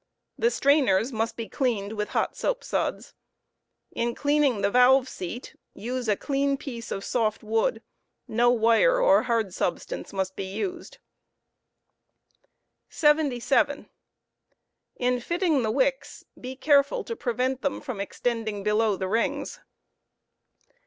The strainers must be cleaned with hot soapsuds. ;In cleaning the val vfe scat, use a clean piece of soft wood; no #ire or hard substance ipustbe uSe^ fitting wicks. 77^ i n fitting the wicks, be careful to prevent them from extendihg below the rin^s.